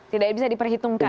tidak bisa diperhitungkan